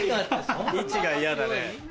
位置が嫌だね。